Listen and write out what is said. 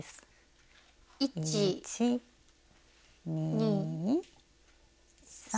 １２３。